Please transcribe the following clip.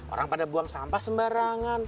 orang pada buang sampah sembarangan